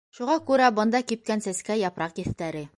Шуға күрә бында кипкән сәскә, япраҡ еҫтәре.